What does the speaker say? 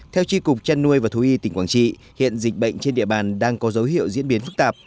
theo tri cục chăn nuôi và thú y tỉnh quảng trị hiện dịch bệnh trên địa bàn đang có dấu hiệu diễn biến phức tạp